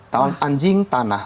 tahun anjing tanah